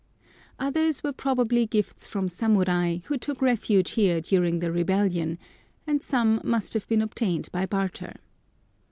Others were probably gifts from samurai, who took refuge here during the rebellion, and some must have been obtained by barter.